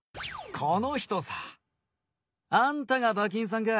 この人さ。あんたが馬琴さんか。